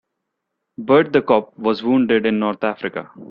Bert the cop was wounded in North Africa.